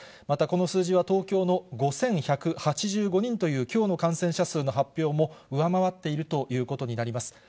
またこの数字は東京の５１８５人というきょうの感染者数の発表も上回っているということになります。